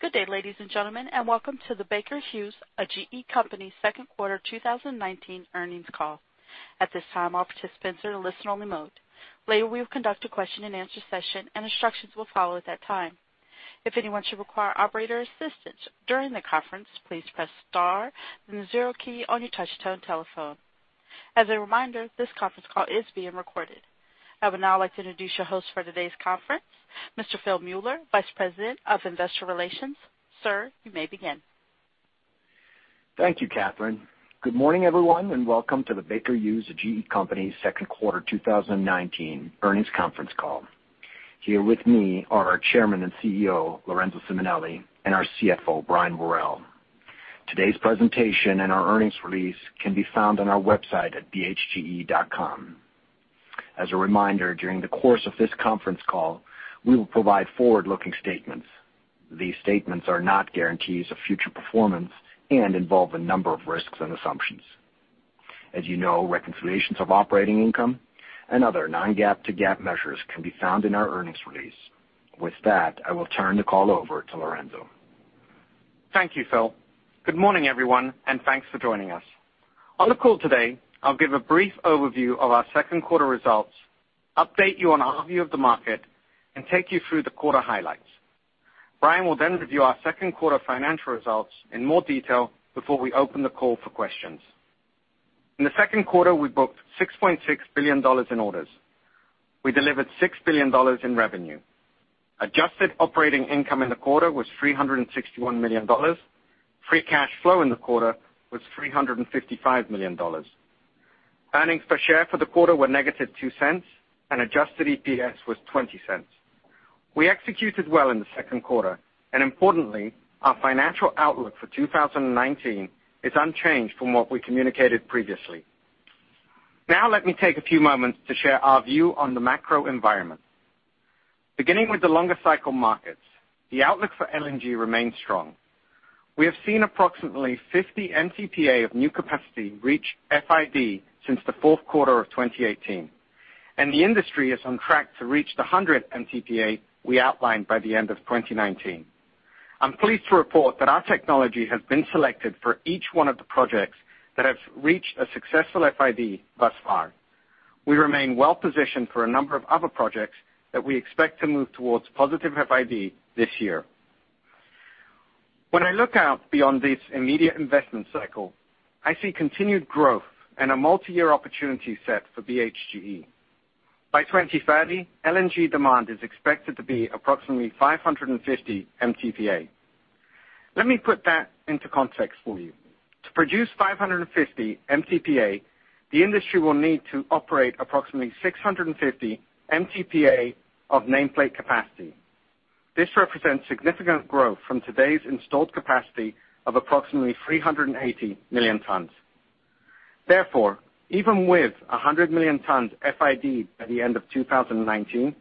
Good day, ladies and gentlemen, and welcome to the Baker Hughes, a GE company, second quarter 2019 earnings call. At this time, all participants are in listen only mode. Later, we will conduct a question and answer session and instructions will follow at that time. If anyone should require operator assistance during the conference, please press star, then the zero key on your touchtone telephone. As a reminder, this conference call is being recorded. I would now like to introduce your host for today's conference, Mr. Phil Mueller, Vice President of Investor Relations. Sir, you may begin. Thank you, Catherine. Good morning, everyone, and welcome to the Baker Hughes, a GE Company second quarter 2019 earnings conference call. Here with me are our Chairman and CEO, Lorenzo Simonelli, and our CFO, Brian Worrell. Today's presentation and our earnings release can be found on our website at bhge.com. As a reminder, during the course of this conference call, we will provide forward-looking statements. These statements are not guarantees of future performance and involve a number of risks and assumptions. As you know, reconciliations of operating income and other non-GAAP to GAAP measures can be found in our earnings release. With that, I will turn the call over to Lorenzo. Thank you, Phil. Good morning, everyone, and thanks for joining us. On the call today, I'll give a brief overview of our second quarter results, update you on our view of the market, and take you through the quarter highlights. Brian will then review our second quarter financial results in more detail before we open the call for questions. In the second quarter, we booked $6.6 billion in orders. We delivered $6 billion in revenue. Adjusted operating income in the quarter was $361 million. Free cash flow in the quarter was $355 million. Earnings per share for the quarter were -$0.02, and adjusted EPS was $0.20. We executed well in the second quarter, importantly, our financial outlook for 2019 is unchanged from what we communicated previously. Now, let me take a few moments to share our view on the macro environment. Beginning with the longer cycle markets, the outlook for LNG remains strong. We have seen approximately 50 MTPA of new capacity reach FID since the fourth quarter of 2018, and the industry is on track to reach the 100 MTPA we outlined by the end of 2019. I'm pleased to report that our technology has been selected for each one of the projects that have reached a successful FID thus far. We remain well-positioned for a number of other projects that we expect to move towards positive FID this year. When I look out beyond this immediate investment cycle, I see continued growth and a multi-year opportunity set for BHGE. By 2030, LNG demand is expected to be approximately 550 MTPA. Let me put that into context for you. To produce 550 MTPA, the industry will need to operate approximately 650 MTPA of nameplate capacity. This represents significant growth from today's installed capacity of approximately 380 million tons. Therefore, even with 100 million tons FID by the end of 2019,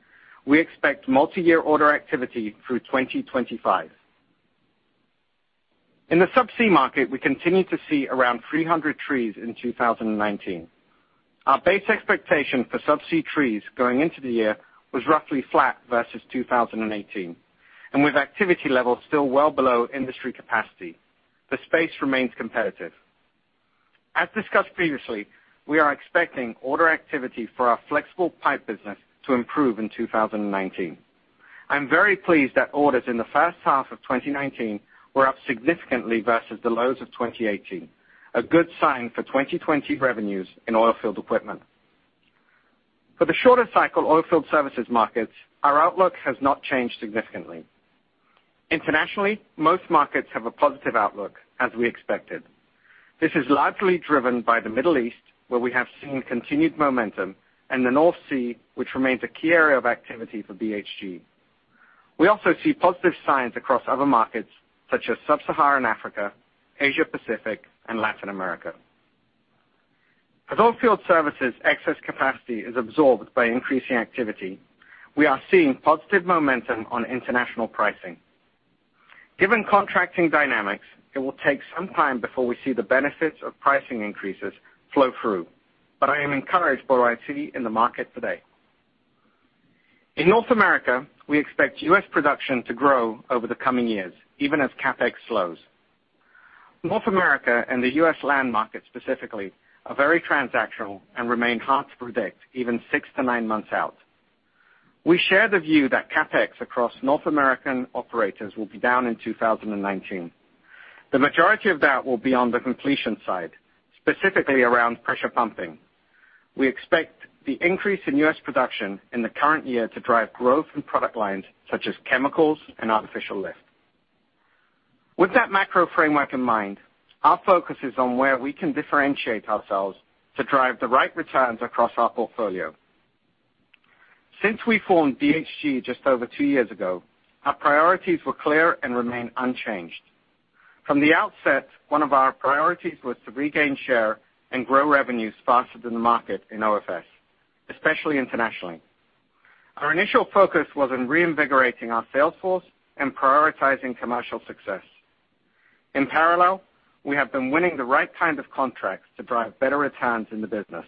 we expect multi-year order activity through 2025. In the subsea market, we continue to see around 300 trees in 2019. Our base expectation for subsea trees going into the year was roughly flat versus 2018, and with activity levels still well below industry capacity. The space remains competitive. As discussed previously, we are expecting order activity for our flexible pipe business to improve in 2019. I'm very pleased that orders in the first half of 2019 were up significantly versus the lows of 2018, a good sign for 2020 revenues in Oilfield Equipment. For the shorter cycle Oilfield Services markets, our outlook has not changed significantly. Internationally, most markets have a positive outlook as we expected. This is largely driven by the Middle East, where we have seen continued momentum, and the North Sea, which remains a key area of activity for BHGE. We also see positive signs across other markets such as Sub-Saharan Africa, Asia-Pacific, and Latin America. As Oilfield Services excess capacity is absorbed by increasing activity, we are seeing positive momentum on international pricing. Given contracting dynamics, it will take some time before we see the benefits of pricing increases flow through, but I am encouraged by what I see in the market today. In North America, we expect U.S. production to grow over the coming years, even as CapEx slows. North America and the U.S. land market specifically, are very transactional and remain hard to predict even six to nine months out. We share the view that CapEx across North American operators will be down in 2019. The majority of that will be on the completion side, specifically around pressure pumping. We expect the increase in U.S. production in the current year to drive growth in product lines such as chemicals and artificial lift. With that macro framework in mind, our focus is on where we can differentiate ourselves to drive the right returns across our portfolio. Since we formed BHGE just over two years ago, our priorities were clear and remain unchanged. From the outset, one of our priorities was to regain share and grow revenues faster than the market in OFS, especially internationally. Our initial focus was on reinvigorating our sales force and prioritizing commercial success. In parallel, we have been winning the right kind of contracts to drive better returns in the business.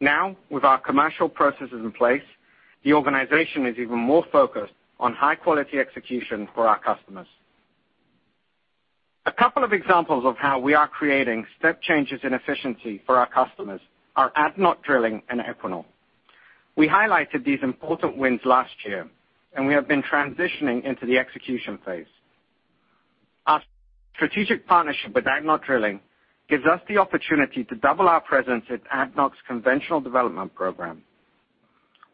Now, with our commercial processes in place, the organization is even more focused on high-quality execution for our customers. A couple of examples of how we are creating step changes in efficiency for our customers are ADNOC Drilling and Equinor. We highlighted these important wins last year, and we have been transitioning into the execution phase. Our strategic partnership with ADNOC Drilling gives us the opportunity to double our presence at ADNOC's conventional development program.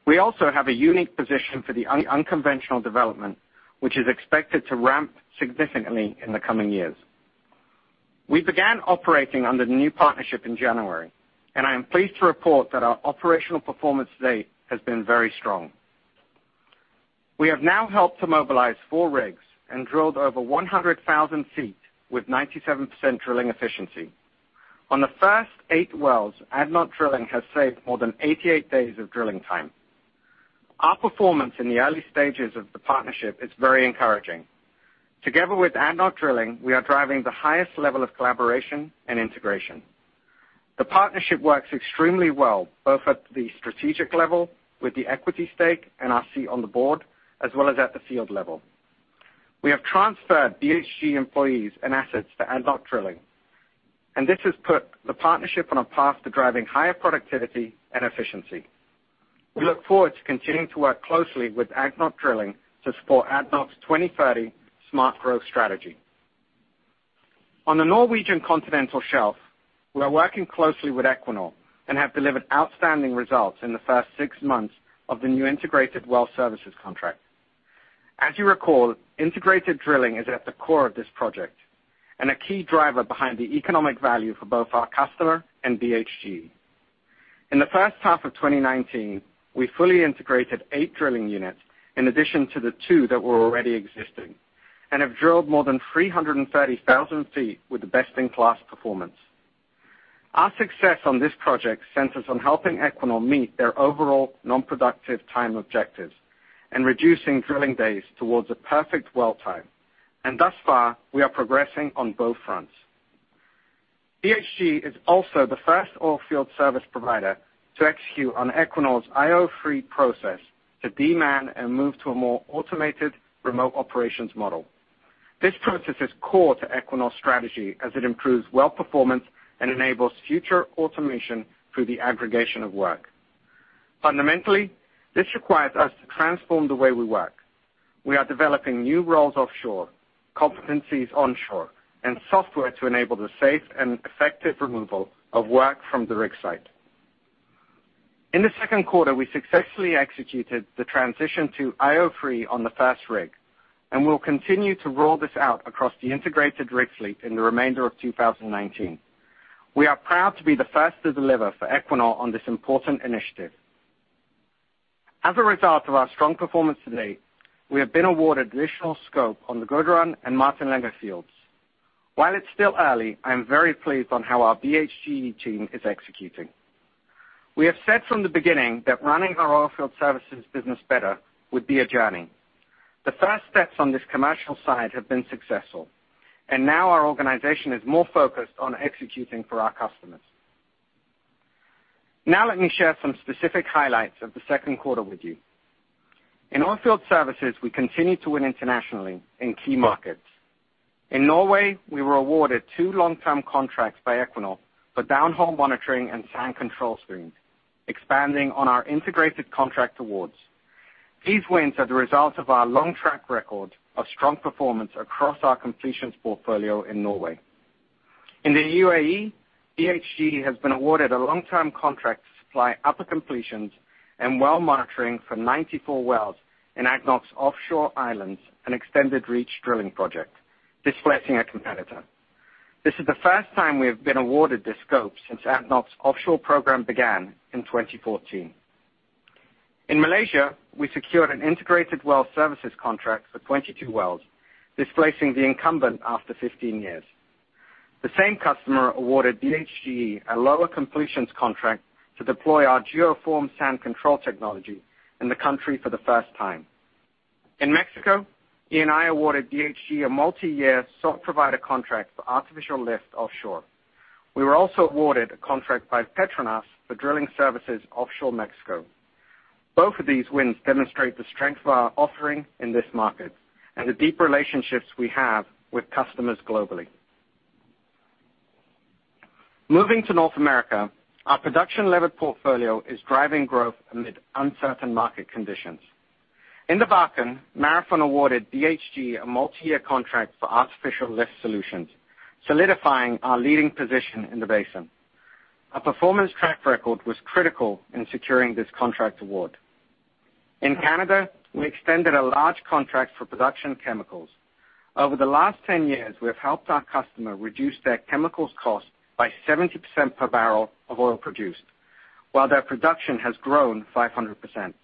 We also have a unique position for the unconventional development, which is expected to ramp significantly in the coming years. We began operating under the new partnership in January, and I am pleased to report that our operational performance to date has been very strong. We have now helped to mobilize four rigs and drilled over 100,000 feet with 97% drilling efficiency. On the first eight wells, ADNOC Drilling has saved more than 88 days of drilling time. Our performance in the early stages of the partnership is very encouraging. Together with ADNOC Drilling, we are driving the highest level of collaboration and integration. The partnership works extremely well, both at the strategic level with the equity stake and our seat on the board, as well as at the field level. We have transferred BHGE employees and assets to ADNOC Drilling, and this has put the partnership on a path to driving higher productivity and efficiency. We look forward to continuing to work closely with ADNOC Drilling to support ADNOC's 2030 smart growth strategy. On the Norwegian Continental Shelf, we are working closely with Equinor and have delivered outstanding results in the first six months of the new integrated well services contract. As you recall, integrated drilling is at the core of this project and a key driver behind the economic value for both our customer and BHGE. In the first half of 2019, we fully integrated 8 drilling units in addition to the 2 that were already existing and have drilled more than 330,000 feet with best-in-class performance. Our success on this project centers on helping Equinor meet their overall non-productive time objectives and reducing drilling days towards a perfect well time. Thus far, we are progressing on both fronts. BHGE is also the first oilfield service provider to execute on Equinor's IO3 process to de-man and move to a more automated remote operations model. This process is core to Equinor's strategy as it improves well performance and enables future automation through the aggregation of work. Fundamentally, this requires us to transform the way we work. We are developing new roles offshore, competencies onshore, and software to enable the safe and effective removal of work from the rig site. In the second quarter, we successfully executed the transition to IO3 on the first rig and will continue to roll this out across the integrated rig fleet in the remainder of 2019. We are proud to be the first to deliver for Equinor on this important initiative. As a result of our strong performance to date, we have been awarded additional scope on the Gudrun and Martin Linge fields. While it's still early, I am very pleased on how our BHGE team is executing. We have said from the beginning that running our Oilfield Services business better would be a journey. The first steps on this commercial side have been successful, now our organization is more focused on executing for our customers. Now let me share some specific highlights of the second quarter with you. In Oilfield Services, we continue to win internationally in key markets. In Norway, we were awarded two long-term contracts by Equinor for downhole monitoring and sand control screens, expanding on our integrated contract awards. These wins are the result of our long track record of strong performance across our completions portfolio in Norway. In the UAE, BHGE has been awarded a long-term contract to supply upper completions and well monitoring for 94 wells in ADNOC's offshore islands and extended reach drilling project, displacing a competitor. This is the first time we have been awarded this scope since ADNOC's offshore program began in 2014. In Malaysia, we secured an integrated well services contract for 22 wells, displacing the incumbent after 15 years. The same customer awarded BHGE a lower completions contract to deploy our GeoFORM sand control technology in the country for the first time. In Mexico, Eni awarded BHGE a multi-year sole provider contract for artificial lift offshore. We were also awarded a contract by PETRONAS for drilling services offshore Mexico. Both of these wins demonstrate the strength of our offering in this market and the deep relationships we have with customers globally. Moving to North America, our production-levered portfolio is driving growth amid uncertain market conditions. In the Bakken, Marathon awarded BHGE a multi-year contract for artificial lift solutions, solidifying our leading position in the basin. Our performance track record was critical in securing this contract award. In Canada, we extended a large contract for production chemicals. Over the last 10 years, we have helped our customer reduce their chemicals cost by 70% per barrel of oil produced while their production has grown 500%.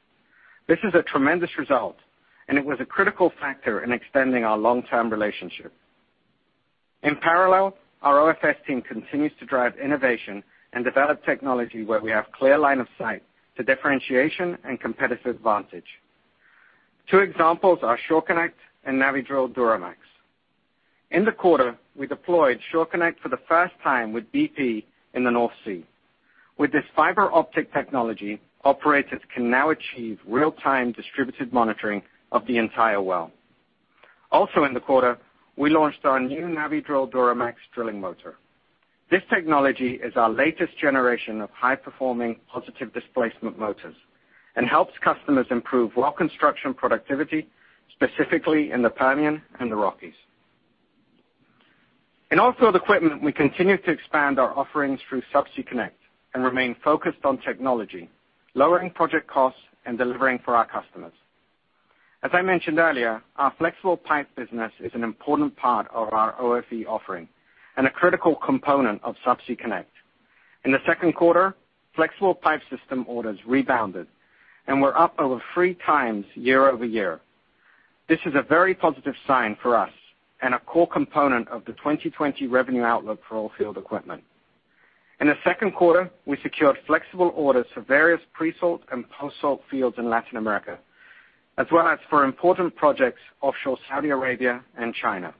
This is a tremendous result, and it was a critical factor in extending our long-term relationship. In parallel, our OFS team continues to drive innovation and develop technology where we have clear line of sight to differentiation and competitive advantage. Two examples are SureConnect and Navi-Drill DuraMax. In the quarter, we deployed SureConnect for the first time with BP in the North Sea. With this fiber optic technology, operators can now achieve real-time distributed monitoring of the entire well. Also in the quarter, we launched our new Navi-Drill DuraMax drilling motor. This technology is our latest generation of high-performing positive displacement motors and helps customers improve well construction productivity, specifically in the Permian and the Rockies. In Oilfield Equipment, we continue to expand our offerings through Subsea Connect and remain focused on technology, lowering project costs, and delivering for our customers. As I mentioned earlier, our flexible pipe business is an important part of our OFE offering and a critical component of Subsea Connect. In the second quarter, flexible pipe system orders rebounded and were up over three times year-over-year. This is a very positive sign for us and a core component of the 2020 revenue outlook for Oilfield Equipment. In the second quarter, we secured flexible orders for various pre-salt and post-salt fields in Latin America, as well as for important projects offshore Saudi Arabia and China.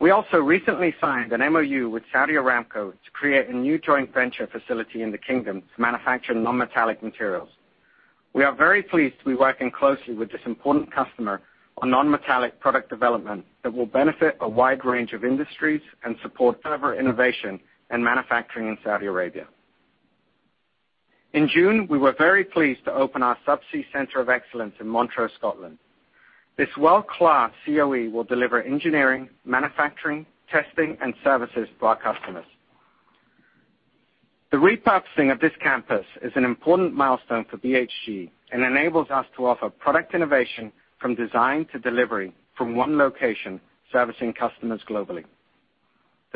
We also recently signed an MOU with Saudi Aramco to create a new joint venture facility in the kingdom to manufacture non-metallic materials. We are very pleased to be working closely with this important customer on non-metallic product development that will benefit a wide range of industries and support further innovation and manufacturing in Saudi Arabia. In June, we were very pleased to open our Subsea Centre of Excellence in Montrose, Scotland. This world-class COE will deliver engineering, manufacturing, testing, and services to our customers. The repurposing of this campus is an important milestone for BHGE and enables us to offer product innovation from design to delivery from one location, servicing customers globally.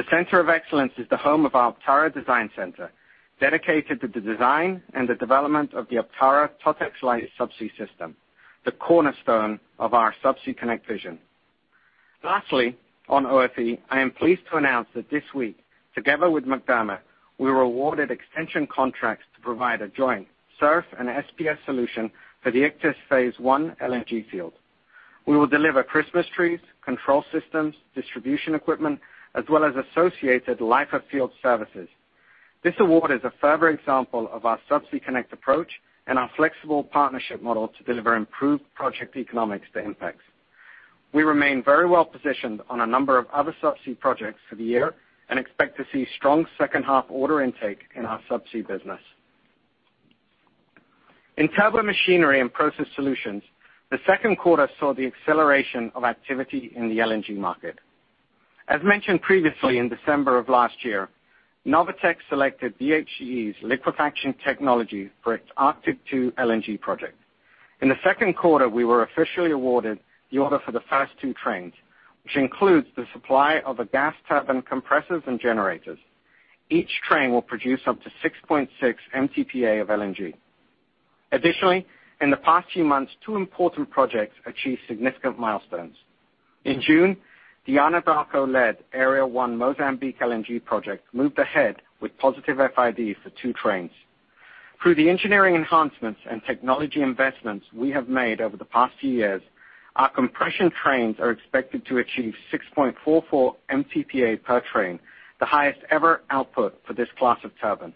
The Center of Excellence is the home of our Aptara Design Center, dedicated to the design and the development of the Aptara TOTEX-lite Subsea System, the cornerstone of our Subsea Connect vision. Lastly, on OFE, I am pleased to announce that this week, together with McDermott, we were awarded extension contracts to provide a joint SURF and SPS solution for the Ichthys Phase 1 LNG field. We will deliver Christmas trees, control systems, distribution equipment, as well as associated life of field services. This award is a further example of our Subsea Connect approach and our flexible partnership model to deliver improved project economics to INPEX. We remain very well positioned on a number of other subsea projects for the year and expect to see strong second half order intake in our subsea business. In Turbomachinery & Process Solutions, the second quarter saw the acceleration of activity in the LNG market. As mentioned previously in December of last year, NOVATEK selected BHGE's liquefaction technology for its Arctic LNG 2 project. In the second quarter, we were officially awarded the order for the first 2 trains, which includes the supply of a gas turbine, compressors, and generators. Each train will produce up to 6.6 MTPA of LNG. Additionally, in the past few months, two important projects achieved significant milestones. In June, the Anadarko-led Area 1 Mozambique LNG project moved ahead with positive FIDs for 2 trains. Through the engineering enhancements and technology investments we have made over the past few years, our compression trains are expected to achieve 6.44 MTPA per train, the highest ever output for this class of turbine.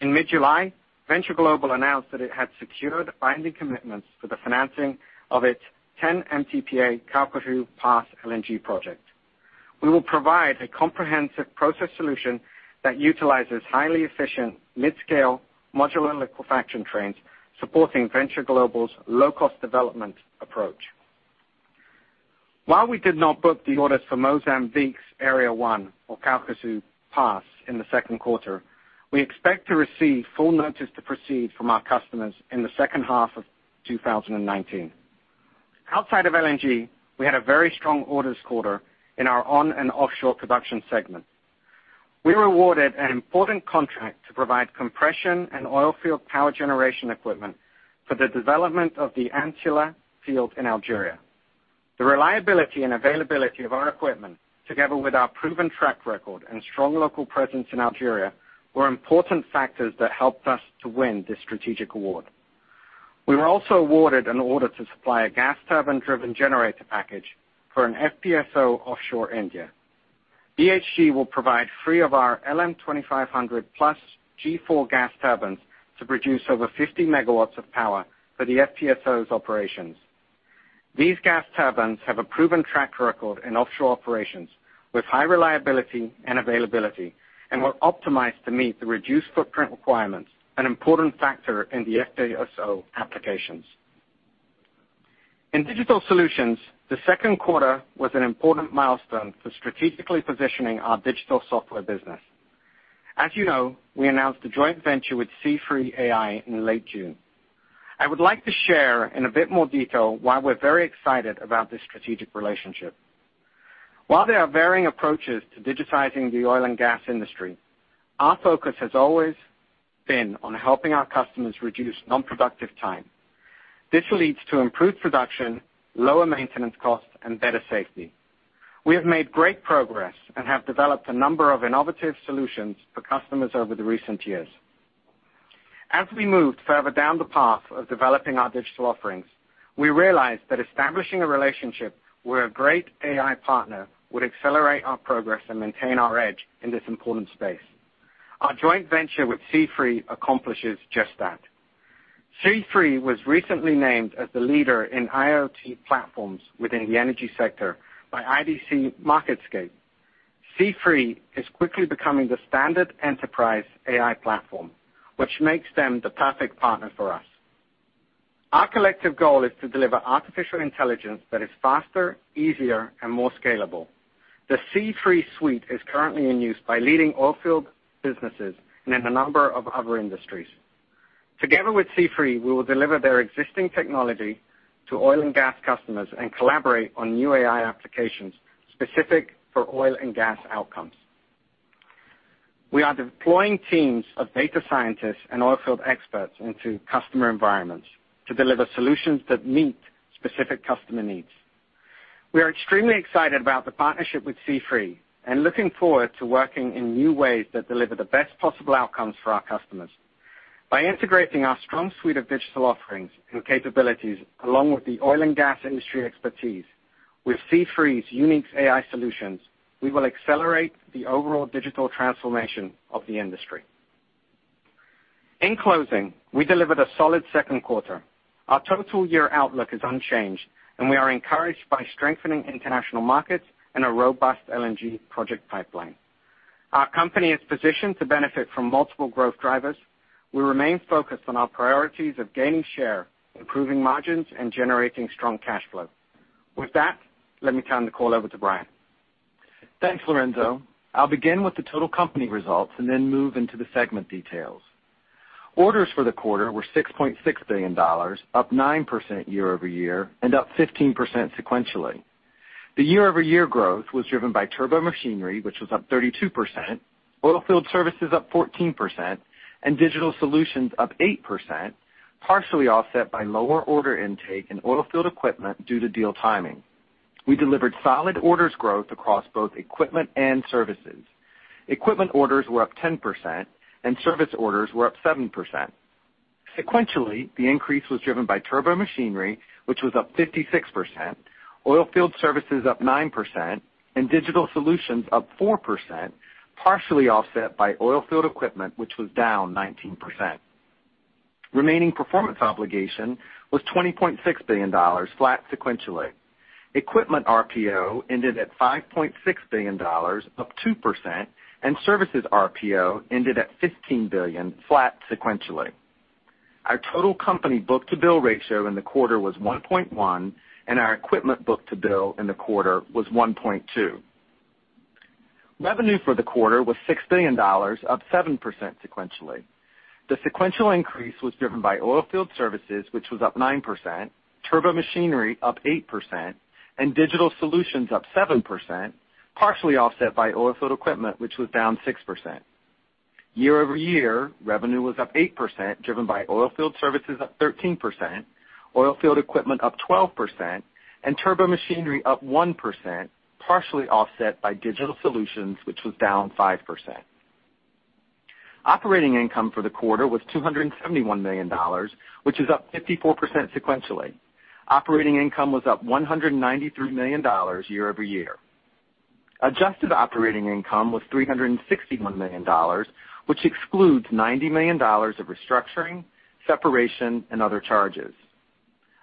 In mid-July, Venture Global announced that it had secured binding commitments for the financing of its 10 MTPA Calcasieu Pass LNG project. We will provide a comprehensive process solution that utilizes highly efficient mid-scale modular liquefaction trains supporting Venture Global's low-cost development approach. While we did not book the orders for Mozambique's Area 1 or Calcasieu Pass in the second quarter, we expect to receive full notice to proceed from our customers in the second half of 2019. Outside of LNG, we had a very strong orders quarter in our on and offshore production segment. We were awarded an important contract to provide compression and oil field power generation equipment for the development of the Ain Tsila field in Algeria. The reliability and availability of our equipment, together with our proven track record and strong local presence in Algeria, were important factors that helped us to win this strategic award. We were also awarded an order to supply a gas turbine-driven generator package for an FPSO offshore India. BHGE will provide three of our LM2500+G4 gas turbines to produce over 50 MW of power for the FPSO's operations. These gas turbines have a proven track record in offshore operations with high reliability and availability and were optimized to meet the reduced footprint requirements, an important factor in the FPSO applications. In Digital Solutions, the second quarter was an important milestone for strategically positioning our digital software business. As you know, we announced a joint venture with C3.ai in late June. I would like to share in a bit more detail why we're very excited about this strategic relationship. While there are varying approaches to digitizing the oil and gas industry, our focus has always been on helping our customers reduce non-productive time. This leads to improved production, lower maintenance costs, and better safety. We have made great progress and have developed a number of innovative solutions for customers over the recent years. As we moved further down the path of developing our digital offerings, we realized that establishing a relationship with a great AI partner would accelerate our progress and maintain our edge in this important space. Our joint venture with C3.ai accomplishes just that. C3.ai was recently named as the leader in IoT platforms within the energy sector by IDC MarketScape. C3 is quickly becoming the standard enterprise AI platform, which makes them the perfect partner for us. Our collective goal is to deliver artificial intelligence that is faster, easier, and more scalable. The C3 suite is currently in use by leading oilfield businesses and in a number of other industries. Together with C3, we will deliver their existing technology to oil and gas customers and collaborate on new AI applications specific for oil and gas outcomes. We are deploying teams of data scientists and oilfield experts into customer environments to deliver solutions that meet specific customer needs. We are extremely excited about the partnership with C3 and looking forward to working in new ways that deliver the best possible outcomes for our customers. By integrating our strong suite of digital offerings and capabilities, along with the oil and gas industry expertise with C3's unique AI solutions, we will accelerate the overall digital transformation of the industry. In closing, we delivered a solid second quarter. Our total year outlook is unchanged, and we are encouraged by strengthening international markets and a robust LNG project pipeline. Our company is positioned to benefit from multiple growth drivers. We remain focused on our priorities of gaining share, improving margins, and generating strong cash flow. With that, let me turn the call over to Brian. Thanks, Lorenzo. I'll begin with the total company results and then move into the segment details. Orders for the quarter were $6.6 billion, up 9% year-over-year and up 15% sequentially. The year-over-year growth was driven by Turbomachinery, which was up 32%, Oilfield Services up 14%, and Digital Solutions up 8%, partially offset by lower order intake in Oilfield Equipment due to deal timing. We delivered solid orders growth across both equipment and services. Equipment orders were up 10% and service orders were up 7%. Sequentially, the increase was driven by Turbomachinery, which was up 56%, Oilfield Services up 9%, and Digital Solutions up 4%, partially offset by Oilfield Equipment, which was down 19%. Remaining performance obligation was $20.6 billion, flat sequentially. Equipment RPO ended at $5.6 billion, up 2%, and services RPO ended at $15 billion, flat sequentially. Our total company book-to-bill ratio in the quarter was 1.1, and our equipment book-to-bill in the quarter was 1.2. Revenue for the quarter was $6 billion, up 7% sequentially. The sequential increase was driven by Oilfield Services, which was up 9%, Turbomachinery up 8%, and Digital Solutions up 7%, partially offset by Oilfield Equipment, which was down 6%. Year-over-year, revenue was up 8%, driven by Oilfield Services up 13%, Oilfield Equipment up 12%, and Turbomachinery up 1%, partially offset by Digital Solutions, which was down 5%. Operating income for the quarter was $271 million, which is up 54% sequentially. Operating income was up $193 million year-over-year. Adjusted operating income was $361 million, which excludes $90 million of restructuring, separation, and other charges.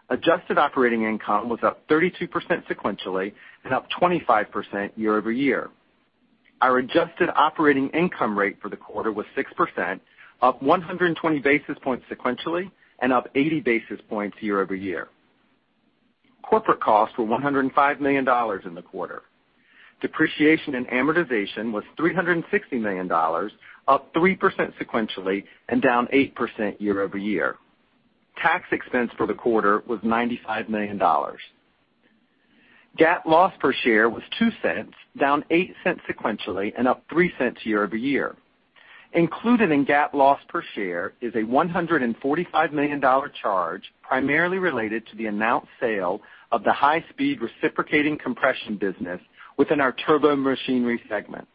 Adjusted operating income was up 32% sequentially and up 25% year-over-year. Our adjusted operating income rate for the quarter was 6%, up 120 basis points sequentially and up 80 basis points year over year. Corporate costs were $105 million in the quarter. Depreciation and amortization was $360 million, up 3% sequentially and down 8% year over year. Tax expense for the quarter was $95 million. GAAP loss per share was $0.02, down $0.08 sequentially, and up $0.03 year over year. Included in GAAP loss per share is a $145 million charge, primarily related to the announced sale of the high-speed reciprocating compression business within our Turbomachinery segment.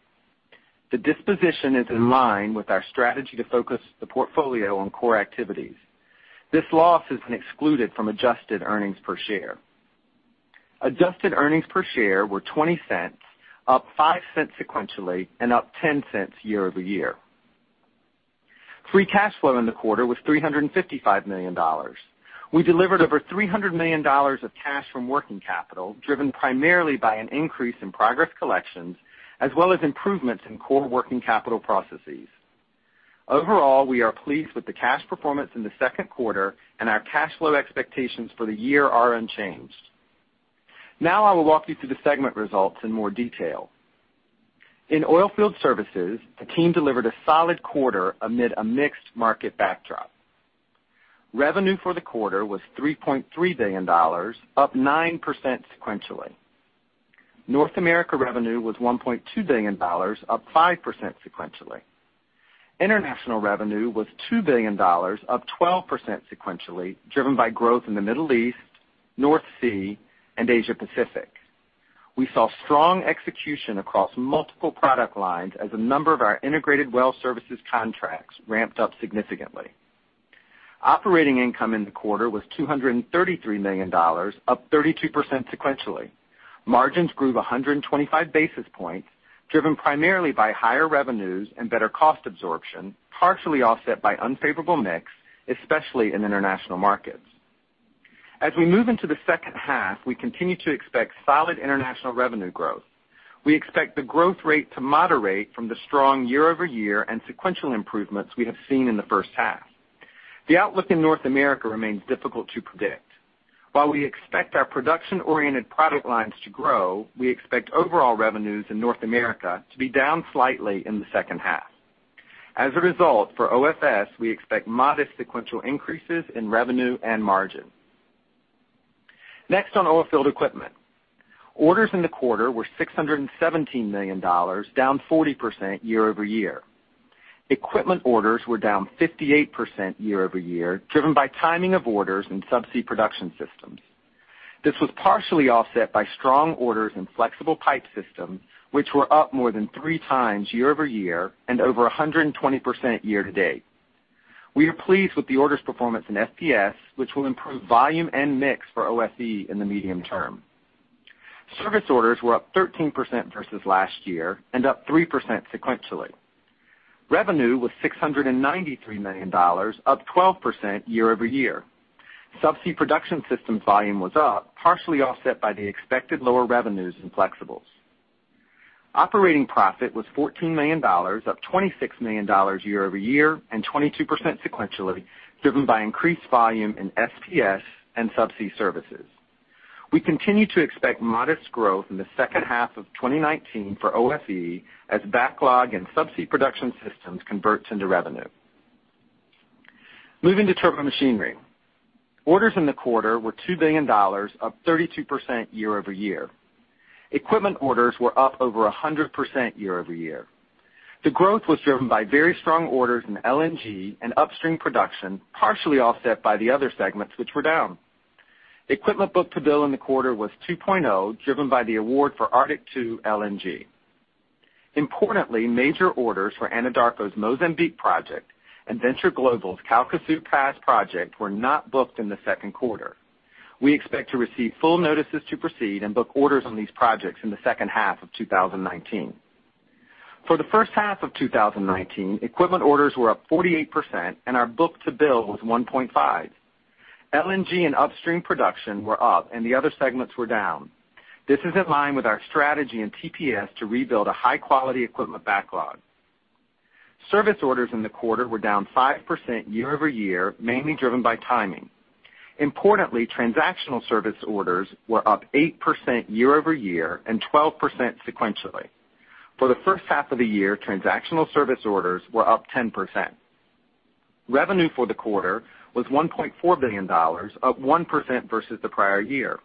The disposition is in line with our strategy to focus the portfolio on core activities. This loss is excluded from adjusted earnings per share. Adjusted earnings per share were $0.20, up $0.05 sequentially, and up $0.10 year over year. Free cash flow in the quarter was $355 million. We delivered over $300 million of cash from working capital, driven primarily by an increase in progress collections as well as improvements in core working capital processes. Overall, we are pleased with the cash performance in the second quarter, and our cash flow expectations for the year are unchanged. Now I will walk you through the segment results in more detail. In Oilfield Services, the team delivered a solid quarter amid a mixed market backdrop. Revenue for the quarter was $3.3 billion, up 9% sequentially. North America revenue was $1.2 billion, up 5% sequentially. International revenue was $2 billion, up 12% sequentially, driven by growth in the Middle East, North Sea, and Asia Pacific. We saw strong execution across multiple product lines as a number of our integrated well services contracts ramped up significantly. Operating income in the quarter was $233 million, up 32% sequentially. Margins grew 125 basis points, driven primarily by higher revenues and better cost absorption, partially offset by unfavorable mix, especially in international markets. As we move into the second half, we continue to expect solid international revenue growth. We expect the growth rate to moderate from the strong year-over-year and sequential improvements we have seen in the first half. The outlook in North America remains difficult to predict. While we expect our production-oriented product lines to grow, we expect overall revenues in North America to be down slightly in the second half. As a result, for OFS, we expect modest sequential increases in revenue and margin. Next, on Oilfield Equipment. Orders in the quarter were $617 million, down 40% year-over-year. Equipment orders were down 58% year-over-year, driven by timing of orders in subsea production systems. This was partially offset by strong orders in flexible pipe systems, which were up more than three times year-over-year and over 120% year-to-date. We are pleased with the orders performance in FPS, which will improve volume and mix for OFE in the medium term. Service orders were up 13% versus last year and up 3% sequentially. Revenue was $693 million, up 12% year-over-year. Subsea production systems volume was up, partially offset by the expected lower revenues in flexibles. Operating profit was $14 million, up $26 million year-over-year and 22% sequentially, driven by increased volume in FPS and subsea services. We continue to expect modest growth in the second half of 2019 for OFE as backlog and subsea production systems converts into revenue. Moving to Turbomachinery. Orders in the quarter were $2 billion, up 32% year-over-year. Equipment orders were up over 100% year-over-year. The growth was driven by very strong orders in LNG and upstream production, partially offset by the other segments, which were down. Equipment book-to-bill in the quarter was 2.0, driven by the award for Arctic LNG 2. Importantly, major orders for Anadarko's Mozambique project and Venture Global's Calcasieu Pass project were not booked in the second quarter. We expect to receive full notices to proceed and book orders on these projects in the second half of 2019. For the first half of 2019, equipment orders were up 48%, and our book-to-bill was 1.5. LNG and upstream production were up, and the other segments were down. This is in line with our strategy in TPS to rebuild a high-quality equipment backlog. Service orders in the quarter were down 5% year-over-year, mainly driven by timing. Importantly, transactional service orders were up 8% year-over-year and 12% sequentially. For the first half of the year, transactional service orders were up 10%. Revenue for the quarter was $1.4 billion, up 1% versus the prior year.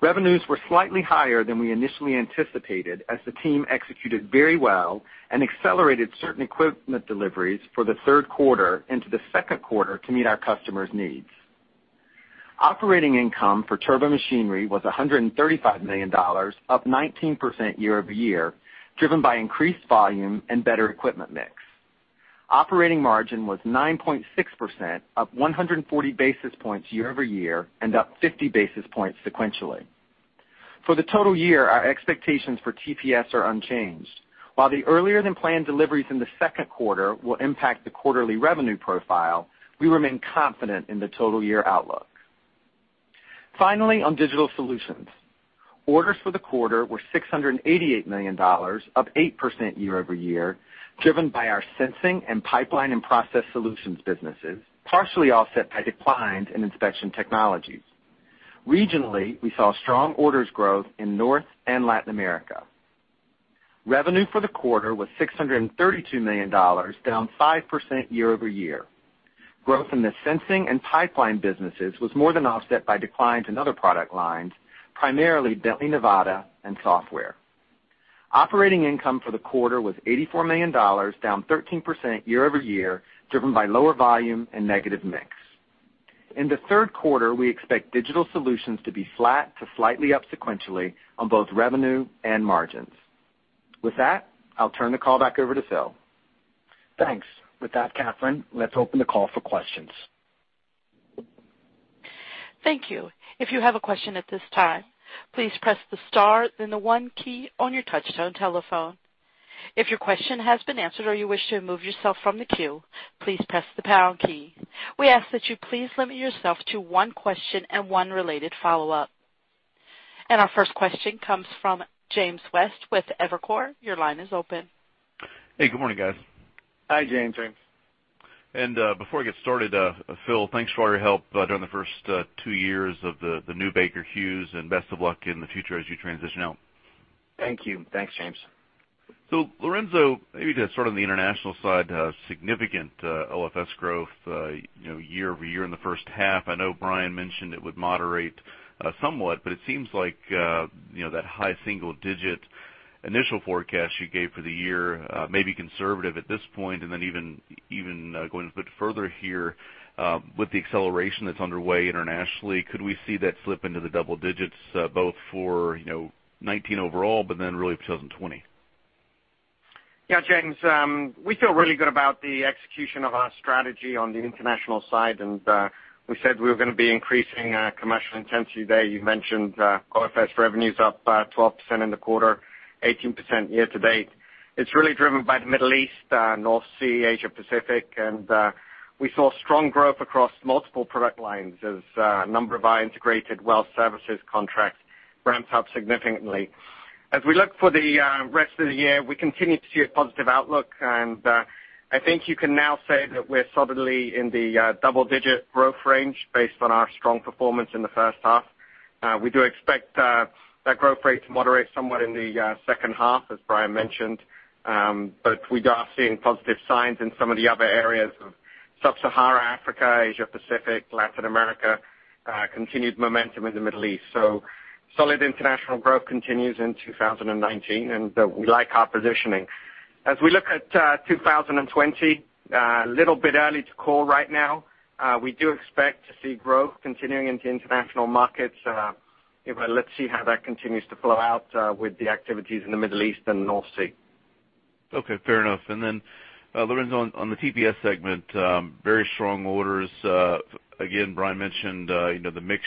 Revenues were slightly higher than we initially anticipated, as the team executed very well and accelerated certain equipment deliveries for the third quarter into the second quarter to meet our customers' needs. Operating income for Turbomachinery was $135 million, up 19% year-over-year, driven by increased volume and better equipment mix. Operating margin was 9.6% up 140 basis points year-over-year and up 50 basis points sequentially. For the total year, our expectations for TPS are unchanged. While the earlier-than-planned deliveries in the second quarter will impact the quarterly revenue profile, we remain confident in the total year outlook. Finally, on Digital Solutions. Orders for the quarter were $688 million, up 8% year-over-year, driven by our sensing and pipeline and process solutions businesses, partially offset by declines in inspection technologies. Regionally, we saw strong orders growth in North and Latin America. Revenue for the quarter was $632 million, down 5% year-over-year. Growth in the sensing and pipeline businesses was more than offset by declines in other product lines, primarily Bently Nevada and Software. Operating income for the quarter was $84 million, down 13% year-over-year, driven by lower volume and negative mix. In the third quarter, we expect Digital Solutions to be flat to slightly up sequentially on both revenue and margins. With that, I'll turn the call back over to Phil. Thanks. With that, Catherine, let's open the call for questions. Thank you. If you have a question at this time, please press the star, then the one key on your touchtone telephone. If your question has been answered or you wish to remove yourself from the queue, please press the pound key. We ask that you please limit yourself to one question and one related follow-up. Our first question comes from James West with Evercore. Your line is open. Hey, good morning, guys. Hi, James. James. Before I get started, Phil, thanks for all your help during the first two years of the new Baker Hughes, and best of luck in the future as you transition out. Thank you. Thanks, James. Lorenzo, maybe to start on the international side, significant OFS growth year-over-year in the first half. I know Brian mentioned it would moderate somewhat, but it seems like that high single-digit. initial forecast you gave for the year may be conservative at this point, and then even going a bit further here, with the acceleration that's underway internationally, could we see that slip into the double digits both for 2019 overall, but then really for 2020? Yeah, James. We feel really good about the execution of our strategy on the international side. We said we were going to be increasing commercial intensity there. You mentioned OFS revenues up 12% in the quarter, 18% year to date. It's really driven by the Middle East, North Sea, Asia Pacific. We saw strong growth across multiple product lines as a number of our integrated well services contracts ramped up significantly. As we look for the rest of the year, we continue to see a positive outlook. I think you can now say that we're solidly in the double-digit growth range based on our strong performance in the first half. We do expect that growth rate to moderate somewhat in the second half, as Brian mentioned, but we are seeing positive signs in some of the other areas of Sub-Saharan Africa, Asia Pacific, Latin America, continued momentum in the Middle East. Solid international growth continues in 2019 and we like our positioning. As we look at 2020, a little bit early to call right now. We do expect to see growth continuing into international markets. Anyway, let's see how that continues to flow out with the activities in the Middle East and North Sea. Okay, fair enough. Lorenzo, on the TPS segment, very strong orders. Again, Brian mentioned the mix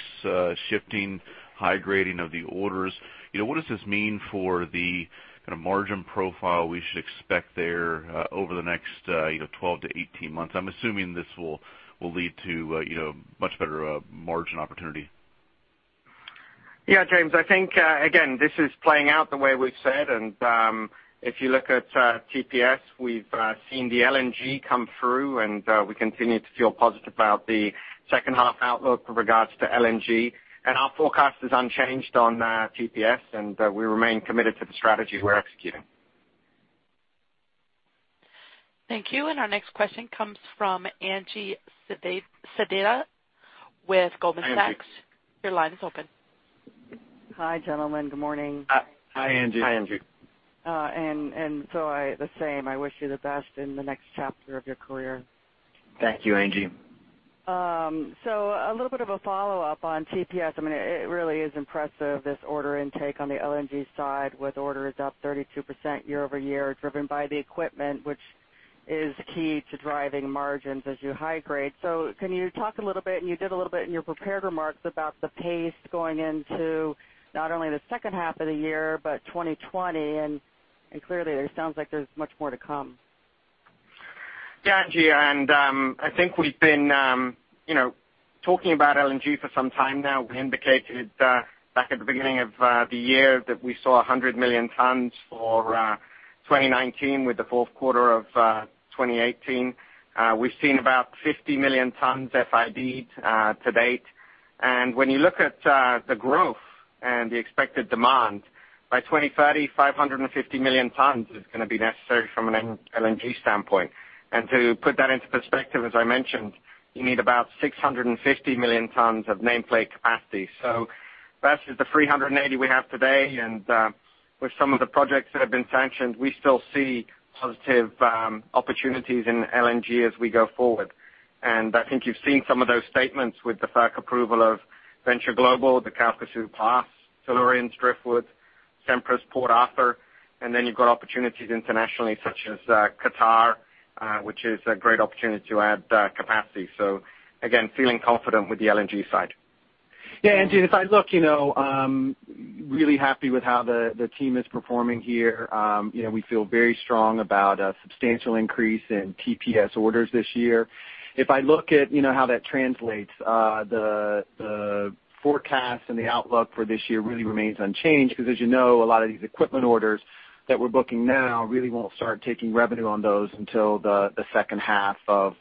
shifting, high grading of the orders. What does this mean for the kind of margin profile we should expect there over the next 12-18 months? I'm assuming this will lead to much better margin opportunity. Yeah, James. I think, again, this is playing out the way we've said, and if you look at TPS, we've seen the LNG come through, and we continue to feel positive about the second half outlook with regards to LNG. Our forecast is unchanged on TPS, and we remain committed to the strategies we're executing. Thank you. Our next question comes from Angeline Sedita with Goldman Sachs. Your line is open. Hi, gentlemen. Good morning. Hi, Angie. Hi, Angie. The same, I wish you the best in the next chapter of your career. Thank you, Angie. A little bit of a follow-up on TPS. I mean, it really is impressive, this order intake on the LNG side with orders up 32% year-over-year, driven by the equipment, which is key to driving margins as you high grade. Can you talk a little bit, and you did a little bit in your prepared remarks about the pace going into not only the second half of the year, but 2020, and clearly it sounds like there's much more to come. Yeah, Angie, I think we've been talking about LNG for some time now. We indicated back at the beginning of the year that we saw 100 million tons for 2019 with the fourth quarter of 2018. We've seen about 50 million tons FID to date. When you look at the growth and the expected demand, by 2030, 550 million tons is gonna be necessary from an LNG standpoint. To put that into perspective, as I mentioned, you need about 650 million tons of nameplate capacity. Versus the 380 we have today and with some of the projects that have been sanctioned, we still see positive opportunities in LNG as we go forward. I think you've seen some of those statements with the FERC approval of Venture Global, the Calcasieu Pass, Silurian, Driftwood, Sempra's Port Arthur, and then you've got opportunities internationally such as Qatar, which is a great opportunity to add capacity. Again, feeling confident with the LNG side. Yeah, Angie, if I look, really happy with how the team is performing here. We feel very strong about a substantial increase in TPS orders this year. If I look at how that translates, the forecast and the outlook for this year really remains unchanged because as you know, a lot of these equipment orders that we're booking now really won't start taking revenue on those until the second half of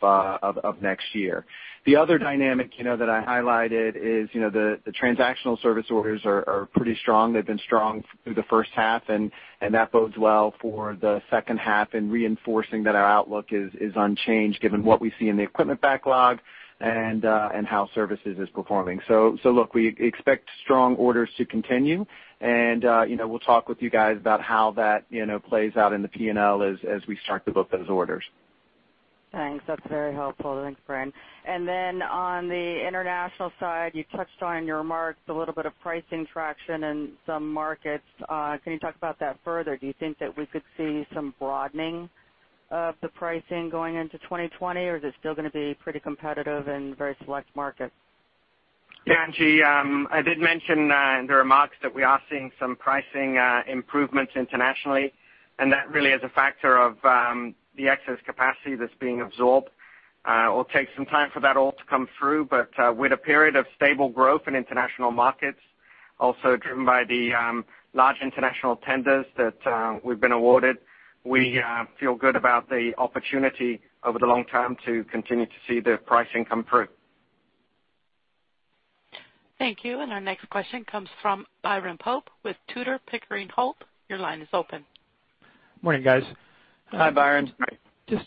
next year. The other dynamic that I highlighted is the transactional service orders are pretty strong. They've been strong through the first half, and that bodes well for the second half in reinforcing that our outlook is unchanged given what we see in the equipment backlog and how services is performing. Look, we expect strong orders to continue and we'll talk with you guys about how that plays out in the P&L as we start to book those orders. Thanks. That's very helpful. Thanks, Brian. On the international side, you touched on your remarks, a little bit of pricing traction in some markets. Can you talk about that further? Do you think that we could see some broadening of the pricing going into 2020? Or is it still gonna be pretty competitive in very select markets? Yeah, Angie. I did mention in the remarks that we are seeing some pricing improvements internationally, and that really is a factor of the excess capacity that's being absorbed. It'll take some time for that all to come through, but with a period of stable growth in international markets, also driven by the large international tenders that we've been awarded, we feel good about the opportunity over the long term to continue to see the pricing come through. Thank you. Our next question comes from Byron Pope with Tudor, Pickering, Holt. Your line is open. Morning, guys. Hi, Byron. Just